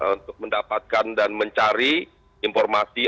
untuk mendapatkan dan mencari informasi